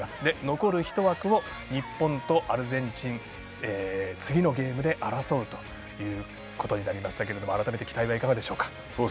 残る１枠を、日本とアルゼンチンが次のゲームで争うということになりましたが改めて、期待はいかがでしょうか。